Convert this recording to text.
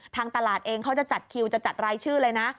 ทางตลาดเองเขาจะจัดคิวจะจัดรายชื่อเลยนะ